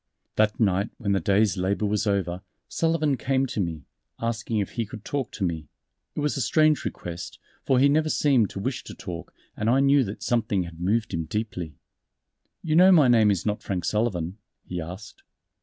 That night when the day's labor was over, Sullivan came to me, asking if he could talk to me. It was a strange request, for he never seemed to wish to talk, and I knew that something had moved him deeply. "You know my name is not Frank Sullivan," he asked.